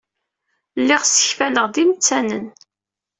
Lliɣ ssekfaleɣ-d imettanen.